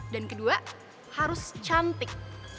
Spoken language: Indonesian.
dan kedua harus cantik